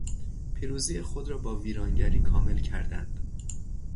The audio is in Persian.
پیروزی خود را با ویرانگری کامل کردند.